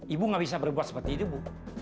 ibu nggak bisa berbuat seperti itu bu